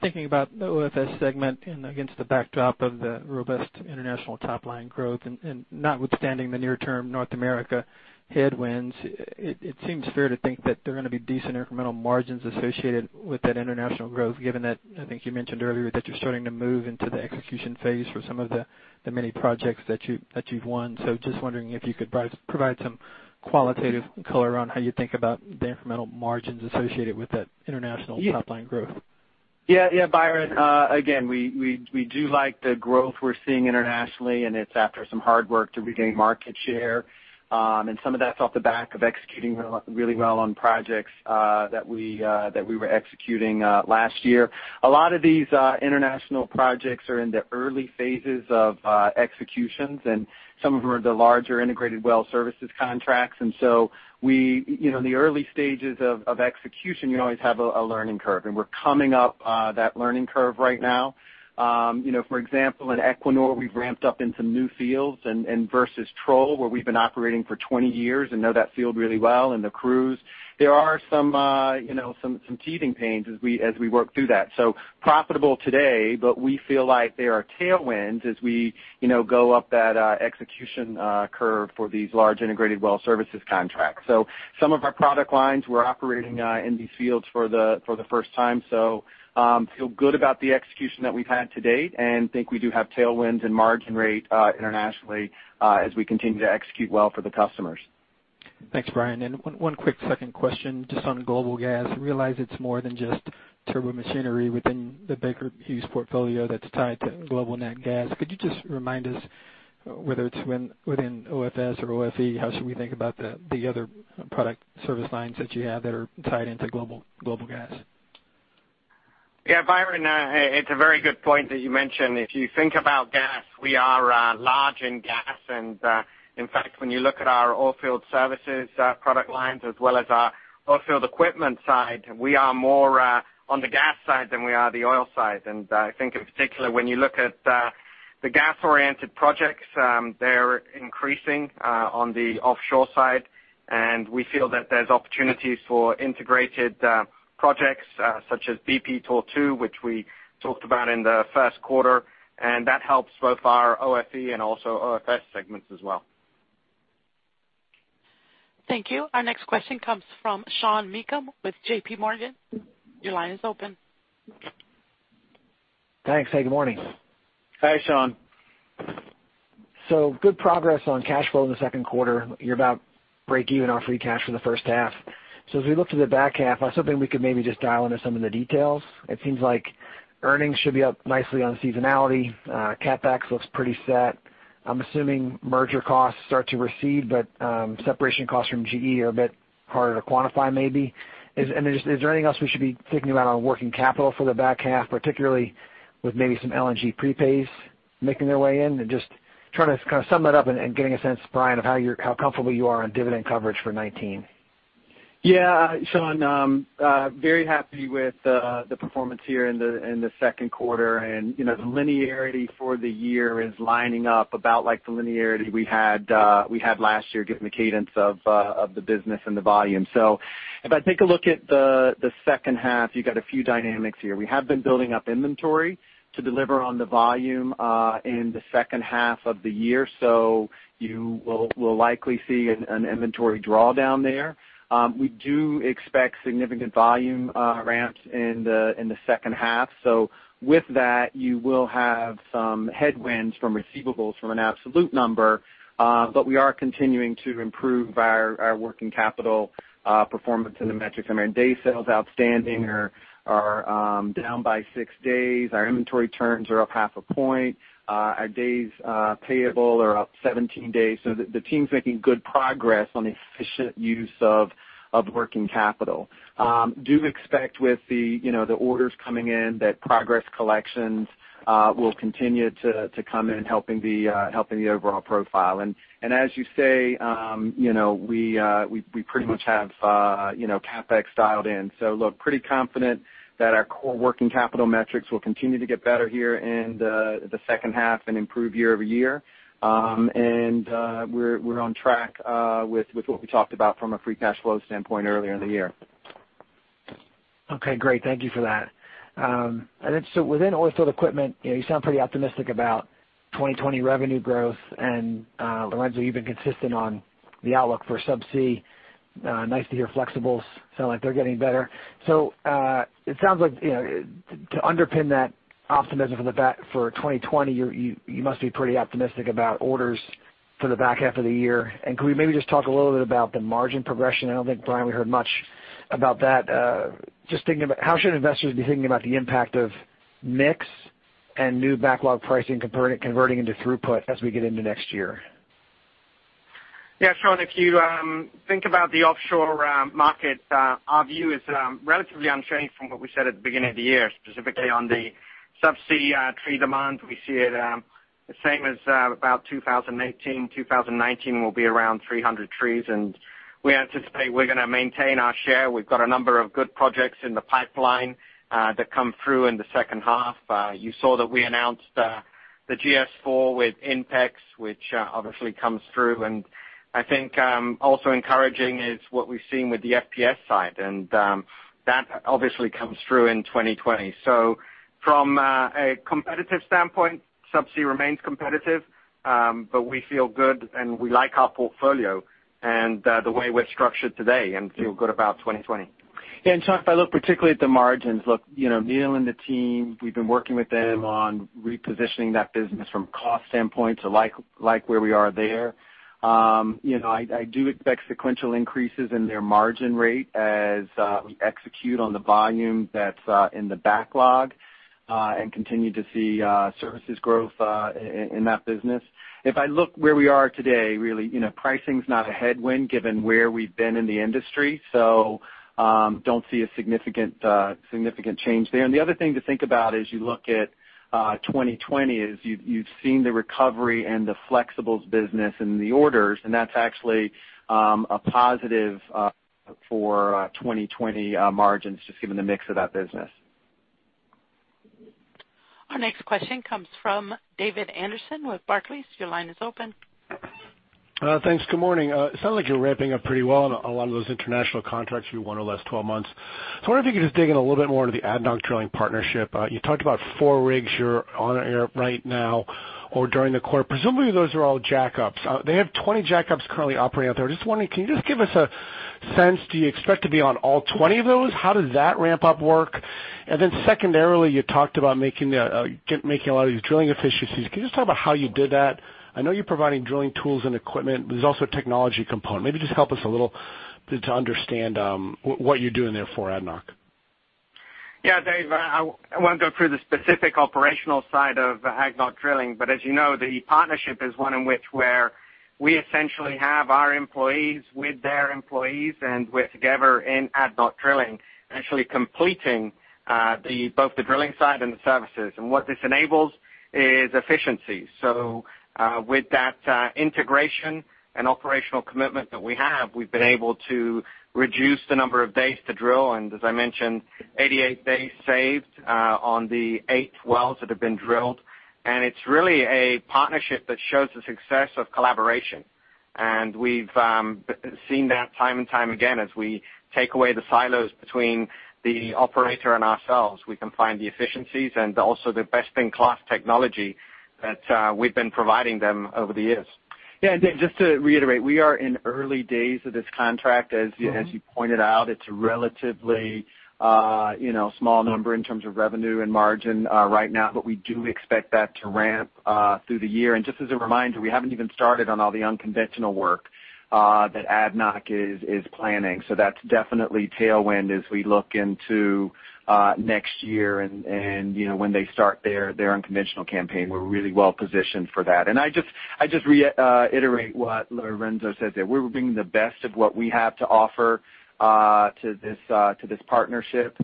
thinking about the OFS segment and against the backdrop of the robust international top-line growth and notwithstanding the near-term North America headwinds, it seems fair to think that there are going to be decent incremental margins associated with that international growth, given that I think you mentioned earlier that you're starting to move into the execution phase for some of the many projects that you've won. Just wondering if you could provide some qualitative color around how you think about the incremental margins associated with that international top-line growth? Yeah, Byron. We do like the growth we're seeing internationally, and it's after some hard work to regain market share. Some of that's off the back of executing really well on projects that we were executing last year. A lot of these international projects are in the early phases of execution, and some of them are the larger integrated well services contracts. In the early stages of execution, you always have a learning curve, and we're coming up that learning curve right now. For example, in Ecuador, we've ramped up in some new fields and versus Troll, where we've been operating for 20 years and know that field really well and the crews. There are some teething pains as we work through that. Profitable today, but we feel like there are tailwinds as we go up that execution curve for these large integrated well services contracts. Some of our product lines, we're operating in these fields for the first time, so feel good about the execution that we've had to date and think we do have tailwinds and margin rate internationally as we continue to execute well for the customers. Thanks, Brian. One quick second question, just on global gas. I realize it's more than just Turbomachinery within the Baker Hughes portfolio that's tied to global nat gas. Could you just remind us whether it's within OFS or OFE, how should we think about the other product service lines that you have that are tied into global gas? Yeah, Byron, it's a very good point that you mentioned. If you think about gas, we are large in gas. In fact, when you look at our Oilfield Services product lines as well as our Oilfield Equipment side, we are more on the gas side than we are the oil side. I think in particular, when you look at the gas-oriented projects, they're increasing on the offshore side, and we feel that there's opportunities for integrated projects such as BP Tortue, which we talked about in the first quarter, and that helps both our OFE and also OFS segments as well. Thank you. Our next question comes from Sean Meakim with J.P. Morgan. Your line is open. Thanks. Hey, good morning. Hi, Sean. Good progress on cash flow in the second quarter. You're about break even on free cash for the first half. As we look to the back half, I was hoping we could maybe just dial into some of the details. It seems like earnings should be up nicely on seasonality. CapEx looks pretty set. I'm assuming merger costs start to recede, but separation costs from GE are a bit harder to quantify, maybe. Is there anything else we should be thinking about on working capital for the back half, particularly with maybe some LNG prepays making their way in? Just trying to kind of sum it up and getting a sense, Brian, of how comfortable you are on dividend coverage for 2019. Sean, very happy with the performance here in the second quarter. The linearity for the year is lining up about like the linearity we had last year, given the cadence of the business and the volume. If I take a look at the second half, you got a few dynamics here. We have been building up inventory to deliver on the volume in the second half of the year, so you will likely see an inventory drawdown there. We do expect significant volume ramps in the second half. With that, you will have some headwinds from receivables from an absolute number. We are continuing to improve our working capital performance in the metrics. I mean, our days sales outstanding are down by six days. Our inventory turns are up half a point. Our days payable are up 17 days. The team's making good progress on efficient use of working capital. Do expect with the orders coming in, that progress collections will continue to come in helping the overall profile. As you say, we pretty much have CapEx dialed in. Look, pretty confident that our core working capital metrics will continue to get better here in the second half and improve year-over-year. We're on track with what we talked about from a free cash flow standpoint earlier in the year. Okay, great. Thank you for that. Within Oilfield Equipment, you sound pretty optimistic about 2020 revenue growth. Lorenzo, you've been consistent on the outlook for subsea. Nice to hear flexibles sound like they're getting better. It sounds like to underpin that optimism for 2020, you must be pretty optimistic about orders for the back half of the year. Could we maybe just talk a little bit about the margin progression? I don't think, Brian, we heard much about that. How should investors be thinking about the impact of mix and new backlog pricing converting into throughput as we get into next year? Sean, if you think about the offshore market, our view is relatively unchanged from what we said at the beginning of the year, specifically on the subsea tree demand. We see it the same as about 2018. 2019 will be around 300 trees, and we anticipate we're going to maintain our share. We've got a number of good projects in the pipeline that come through in the second half. You saw that we announced the GS4 with INPEX, which obviously comes through. I think also encouraging is what we've seen with the FPS side, and that obviously comes through in 2020. From a competitive standpoint, subsea remains competitive, but we feel good, and we like our portfolio and the way we're structured today and feel good about 2020. Yeah. Chuck, if I look particularly at the margins, look, Neil and the team, we've been working with them on repositioning that business from cost standpoint to like where we are there. I do expect sequential increases in their margin rate as we execute on the volume that's in the backlog, and continue to see services growth in that business. If I look where we are today, really, pricing's not a headwind given where we've been in the industry, so don't see a significant change there. The other thing to think about as you look at 2020 is you've seen the recovery and the flexibles business and the orders, and that's actually a positive for 2020 margins, just given the mix of that business. Our next question comes from David Anderson with Barclays. Your line is open. Thanks. Good morning. It sounds like you're ramping up pretty well on a lot of those international contracts you won in the last 12 months. I wonder if you could just dig in a little bit more into the ADNOC Drilling partnership. You talked about 4 rigs you're on right now or during the quarter. Presumably, those are all jackups. They have 20 jackups currently operating out there. I'm just wondering, can you just give us a sense, do you expect to be on all 20 of those? How does that ramp-up work? Secondarily, you talked about making a lot of these drilling efficiencies. Can you just talk about how you did that? I know you're providing drilling tools and equipment, but there's also a technology component. Maybe just help us a little bit to understand what you're doing there for ADNOC. Yeah, David, I won't go through the specific operational side of ADNOC Drilling. As you know, the partnership is one in which where we essentially have our employees with their employees, we're together in ADNOC Drilling, actually completing both the drilling side and the services. What this enables is efficiency. With that integration and operational commitment that we have, we've been able to reduce the number of days to drill. As I mentioned, 88 days saved on the eight wells that have been drilled. It's really a partnership that shows the success of collaboration. We've seen that time and time again as we take away the silos between the operator and ourselves. We can find the efficiencies and also the best-in-class technology that we've been providing them over the years. David, just to reiterate, we are in early days of this contract. As you pointed out, it's a relatively small number in terms of revenue and margin right now, but we do expect that to ramp through the year. Just as a reminder, we haven't even started on all the unconventional work that ADNOC is planning. That's definitely tailwind as we look into next year and when they start their unconventional campaign. We're really well-positioned for that. I just reiterate what Lorenzo said there. We're bringing the best of what we have to offer to this partnership.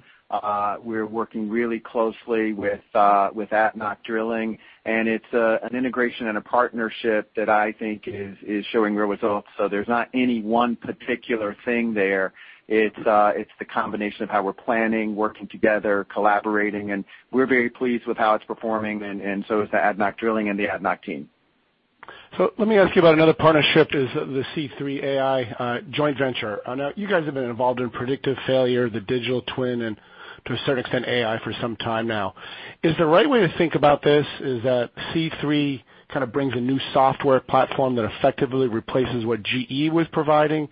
We're working really closely with ADNOC Drilling, and it's an integration and a partnership that I think is showing real results. There's not any one particular thing there. It's the combination of how we're planning, working together, collaborating, and we're very pleased with how it's performing, and so is the ADNOC Drilling and the ADNOC team. Let me ask you about another partnership, is the C3.ai joint venture. I know you guys have been involved in predictive failure, the digital twin, and to a certain extent, AI for some time now. Is the right way to think about this is that C3 kind of brings a new software platform that effectively replaces what GE was providing,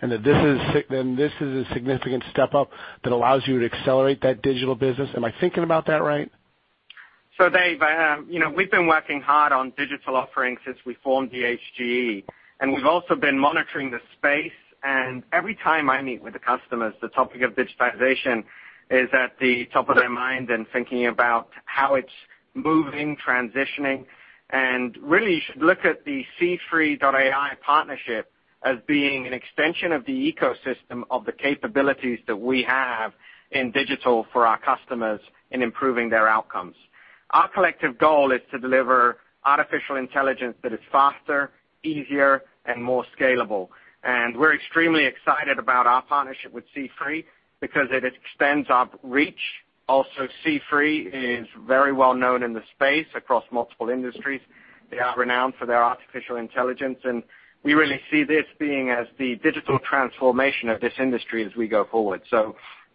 and this is a significant step up that allows you to accelerate that digital business? Am I thinking about that right? Dave, we've been working hard on digital offerings since we formed BHGE, we've also been monitoring the space, every time I meet with the customers, the topic of digitization is at the top of their mind and thinking about how it's moving, transitioning. Really, you should look at the C3.ai partnership as being an extension of the ecosystem of the capabilities that we have in digital for our customers in improving their outcomes. Our collective goal is to deliver artificial intelligence that is faster, easier, and more scalable. We're extremely excited about our partnership with C3 because it extends our reach. Also, C3 is very well known in the space across multiple industries. They are renowned for their artificial intelligence, we really see this being as the digital transformation of this industry as we go forward.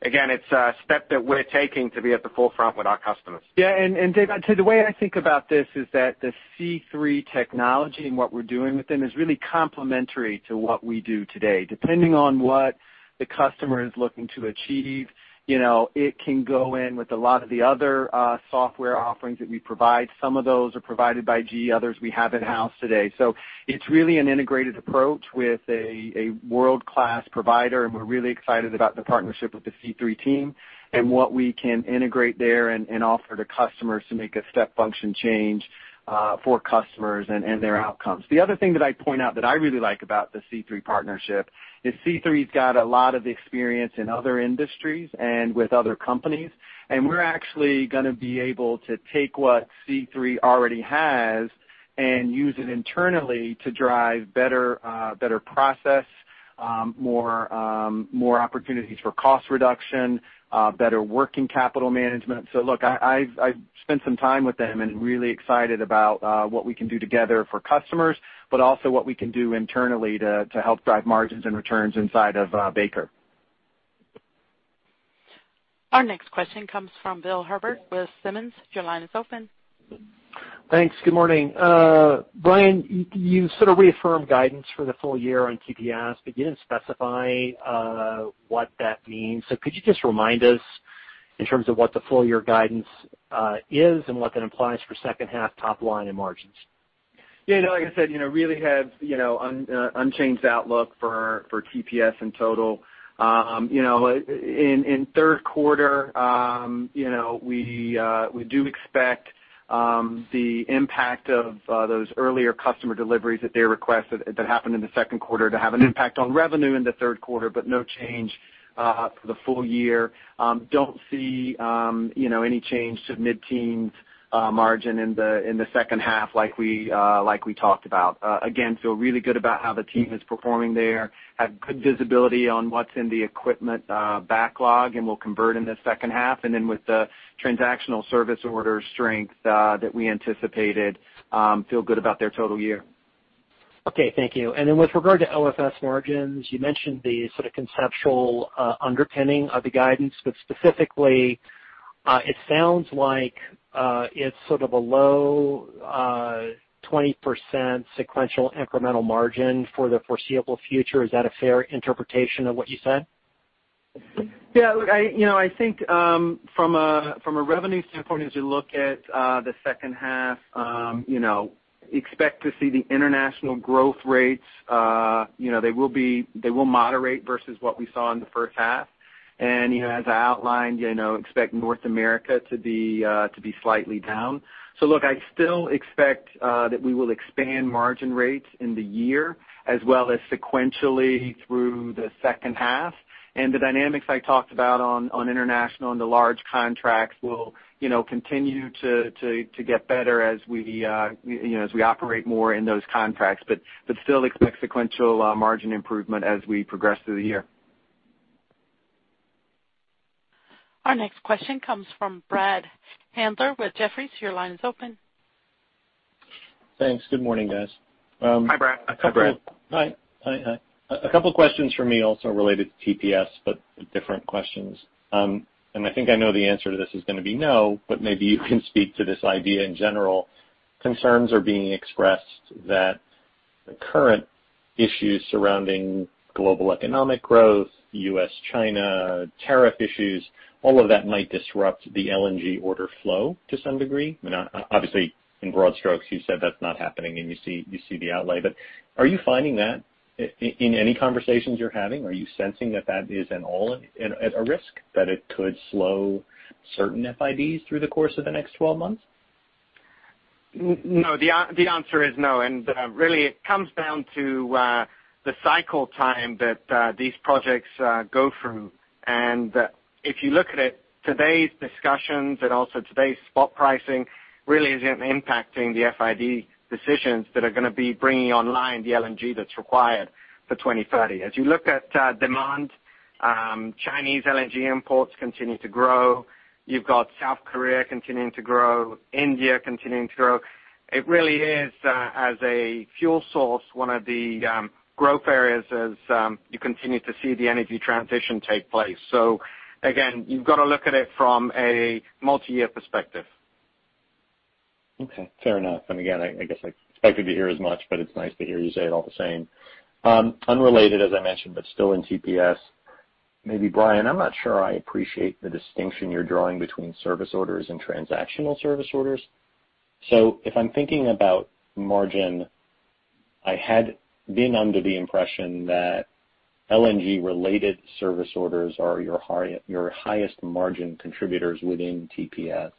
Again, it's a step that we're taking to be at the forefront with our customers. Yeah. Dave, I'd say the way I think about this is that the C3 technology and what we're doing with them is really complementary to what we do today. Depending on what the customer is looking to achieve, it can go in with a lot of the other software offerings that we provide. Some of those are provided by GE, others we have in-house today. It's really an integrated approach with a world-class provider, and we're really excited about the partnership with the C3 team and what we can integrate there and offer to customers to make a step function change for customers and their outcomes. The other thing that I'd point out that I really like about the C3 partnership is C3's got a lot of experience in other industries and with other companies, and we're actually going to be able to take what C3 already has and use it internally to drive better process, more opportunities for cost reduction, better working capital management. Look, I've spent some time with them and I'm really excited about what we can do together for customers, but also what we can do internally to help drive margins and returns inside of Baker. Our next question comes from Bill Herbert with Simmons. Your line is open. Thanks. Good morning. Brian, you sort of reaffirmed guidance for the full year on TPS, but you didn't specify what that means. Could you just remind us in terms of what the full year guidance is and what that implies for second half top line and margins? Yeah, like I said, really have unchanged outlook for TPS in total. In third quarter, we do expect the impact of those earlier customer deliveries that they requested that happened in the second quarter to have an impact on revenue in the third quarter, but no change for the full year. Don't see any change to mid-teens margin in the second half like we talked about. Feel really good about how the team is performing there. Have good visibility on what's in the equipment backlog and will convert in the second half. With the transactional service order strength that we anticipated, feel good about their total year. Okay, thank you. With regard to OFS margins, you mentioned the sort of conceptual underpinning of the guidance, but specifically, it sounds like it's sort of a low 20% sequential incremental margin for the foreseeable future. Is that a fair interpretation of what you said? Look, I think from a revenue standpoint, as you look at the second half expect to see the international growth rates, they will moderate versus what we saw in the first half. As I outlined, expect North America to be slightly down. Look, I still expect that we will expand margin rates in the year as well as sequentially through the second half. The dynamics I talked about on international and the large contracts will continue to get better as we operate more in those contracts. Still expect sequential margin improvement as we progress through the year. Our next question comes from Brad Handler with Jefferies. Your line is open. Thanks. Good morning, guys. Hi, Brad. Hi, Brad. Hi. A couple of questions from me also related to TPS, but different questions. I think I know the answer to this is going to be no, but maybe you can speak to this idea in general. Concerns are being expressed that the current issues surrounding global economic growth, U.S.-China tariff issues, all of that might disrupt the LNG order flow to some degree. Obviously, in broad strokes, you said that's not happening and you see the outlay, are you finding that in any conversations you're having? Are you sensing that that is at all a risk that it could slow certain FIDs through the course of the next 12 months? No, the answer is no. Really it comes down to the cycle time that these projects go through. If you look at it, today's discussions and also today's spot pricing really isn't impacting the FID decisions that are going to be bringing online the LNG that's required for 2030. As you look at demand, Chinese LNG imports continue to grow. You've got South Korea continuing to grow, India continuing to grow. It really is, as a fuel source, one of the growth areas as you continue to see the energy transition take place. Again, you've got to look at it from a multi-year perspective. Okay, fair enough. Again, I guess I expected to hear as much, but it's nice to hear you say it all the same. Unrelated as I mentioned, but still in TPS, maybe Brian, I'm not sure I appreciate the distinction you're drawing between service orders and transactional service orders. If I'm thinking about margin, I had been under the impression that LNG-related service orders are your highest margin contributors within TPS.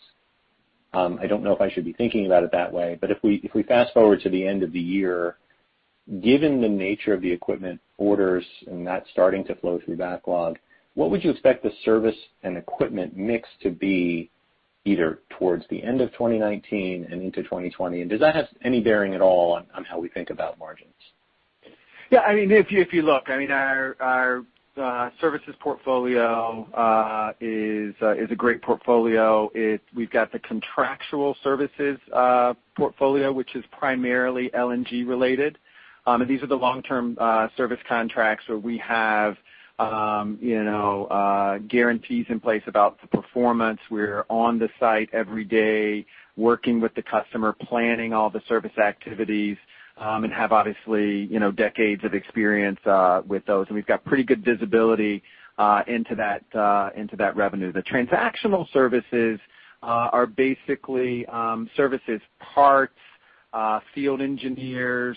I don't know if I should be thinking about it that way, but if we fast-forward to the end of the year, given the nature of the equipment orders and that starting to flow through backlog, what would you expect the service and equipment mix to be either towards the end of 2019 and into 2020? Does that have any bearing at all on how we think about margins? Yeah, if you look, our services portfolio is a great portfolio. We've got the contractual services portfolio, which is primarily LNG related. These are the long-term service contracts where we have guarantees in place about the performance. We're on the site every day working with the customer, planning all the service activities, and have obviously decades of experience with those. We've got pretty good visibility into that revenue. The transactional services are basically services, parts, field engineers,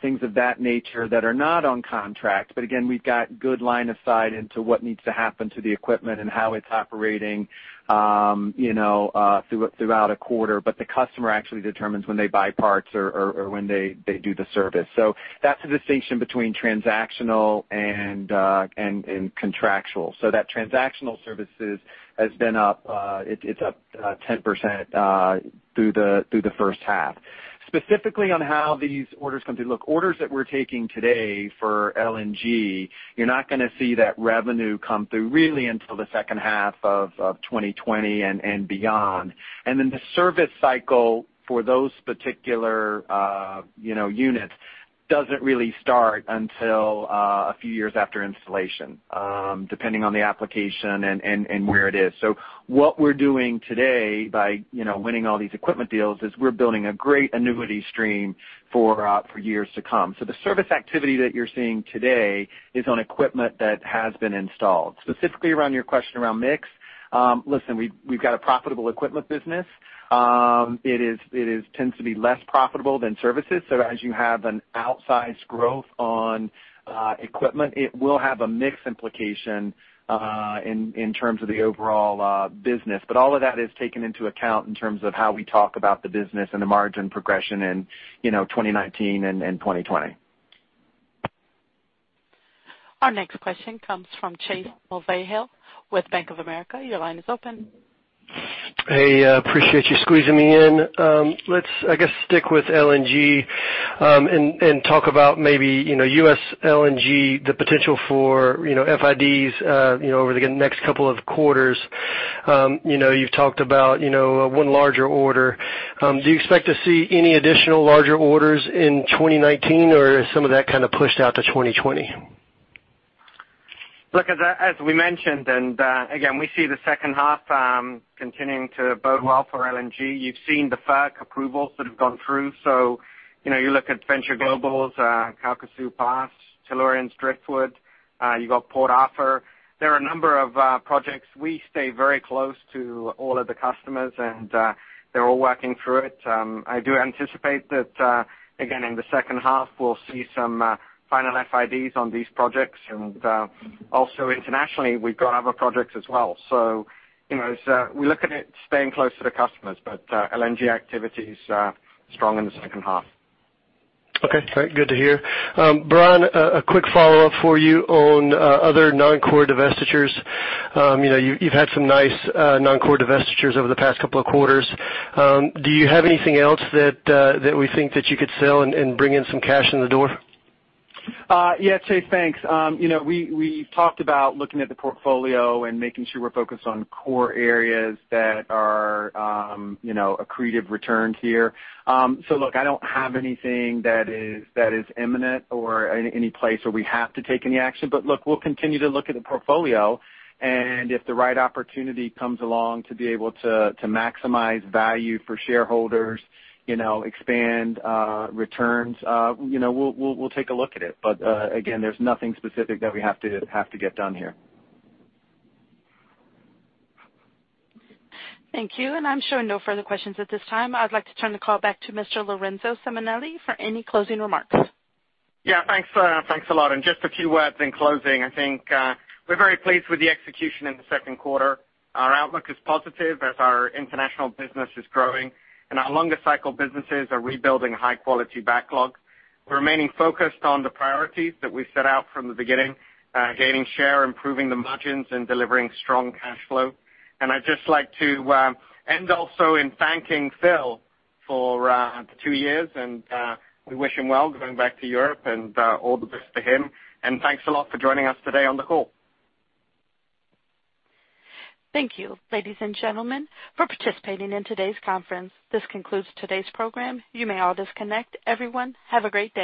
things of that nature that are not on contract. Again, we've got good line of sight into what needs to happen to the equipment and how it's operating throughout a quarter. The customer actually determines when they buy parts or when they do the service. That's the distinction between transactional and contractual. That transactional services has been up. It's up 10% through the first half. Specifically on how these orders come through. Look, orders that we're taking today for LNG, you're not going to see that revenue come through really until the second half of 2020 and beyond. The service cycle for those particular units doesn't really start until a few years after installation, depending on the application and where it is. What we're doing today by winning all these equipment deals is we're building a great annuity stream for years to come. The service activity that you're seeing today is on equipment that has been installed. Specifically around your question around mix, listen, we've got a profitable equipment business. It tends to be less profitable than services. As you have an outsized growth on equipment, it will have a mix implication in terms of the overall business. All of that is taken into account in terms of how we talk about the business and the margin progression in 2019 and 2020. Our next question comes from Chase Mulvehill with Bank of America. Your line is open. Hey, appreciate you squeezing me in. Let's, I guess, stick with LNG, and talk about maybe U.S. LNG, the potential for FIDs over the next couple of quarters. You've talked about one larger order. Do you expect to see any additional larger orders in 2019, or is some of that kind of pushed out to 2020? Look, as we mentioned, and again, we see the second half continuing to bode well for LNG. You've seen the FERC approvals that have gone through. You look at Venture Global's Calcasieu Pass, Tellurian Driftwood, you got Port Arthur. There are a number of projects. We stay very close to all of the customers, and they're all working through it. I do anticipate that, again, in the second half, we'll see some final FIDs on these projects. Also internationally, we've got other projects as well. We look at it staying close to the customers, but LNG activity is strong in the second half. Okay, great. Good to hear. Brian, a quick follow-up for you on other non-core divestitures. You've had some nice non-core divestitures over the past couple of quarters. Do you have anything else that we think that you could sell and bring in some cash in the door? Yeah. Chase, thanks. We've talked about looking at the portfolio and making sure we're focused on core areas that are accretive returns here. Look, I don't have anything that is imminent or any place where we have to take any action. Look, we'll continue to look at the portfolio, and if the right opportunity comes along to be able to maximize value for shareholders, expand returns, we'll take a look at it. Again, there's nothing specific that we have to get done here. Thank you. I'm showing no further questions at this time. I'd like to turn the call back to Mr. Lorenzo Simonelli for any closing remarks. Thanks a lot. Just a few words in closing. I think we're very pleased with the execution in the second quarter. Our outlook is positive as our international business is growing, and our longer cycle businesses are rebuilding high-quality backlog. We're remaining focused on the priorities that we set out from the beginning, gaining share, improving the margins, and delivering strong cash flow. I'd just like to end also in thanking Phil for the two years, and we wish him well going back to Europe and all the best to him. Thanks a lot for joining us today on the call. Thank you, ladies and gentlemen, for participating in today's conference. This concludes today's program. You may all disconnect. Everyone, have a great day.